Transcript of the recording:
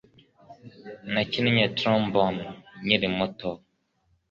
Nakinnye trombone nkiri muto